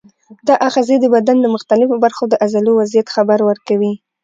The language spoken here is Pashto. دا آخذې د بدن د مختلفو برخو د عضلو د وضعیت خبر ورکوي.